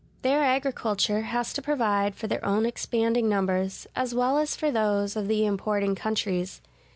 Their agriculture has to provide for their own expanding numbers, as well as for those of the importing countries.